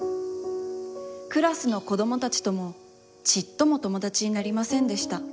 クラスの子どもたちともちっともともだちになりませんでした。